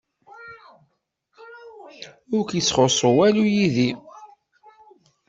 Ur k-ittxuṣṣu walu yid-i.